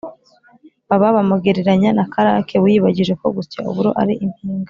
baba bamugereranya na karake wiyibagije ko gusya uburo ari impingane.